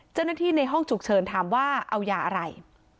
เจ้าหน้าที่ในห้องฉุกเฉินถามว่าเอายาอะไร